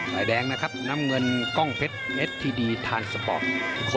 ฝ่ายแดงนะครับน้ำเงินกล้องเพชรเอ็ดทีดีทานสปอร์ต